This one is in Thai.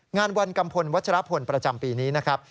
งานวันกัมพลวัชรพลประจำปีนี้นะครับ